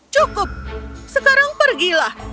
cukup sekarang pergilah